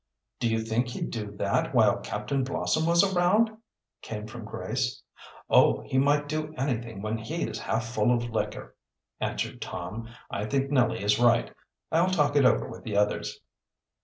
"Do you think he'd do that while Captain Blossom was around?" came from Grace. "Oh, he might do anything when he is half full of liquor," answered Tom. "I think Nellie is right. I'll talk it over with the others."